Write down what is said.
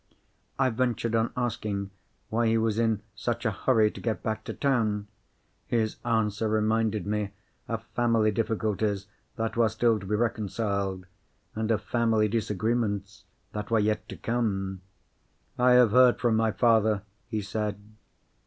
I ventured on asking why he was in such a hurry to get back to town. His answer reminded me of family difficulties that were still to be reconciled, and of family disagreements that were yet to come. "I have heard from my father," he said.